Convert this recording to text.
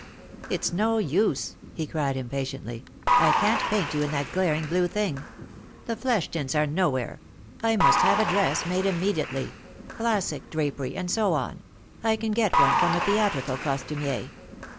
"It's no use," he cried impatiently; "I can't paint you in that glaring blue thing. The flesh tints are nowhere. I must have a dress made immediately — classic drapery, and so on. I can get one from a theatrical costumier."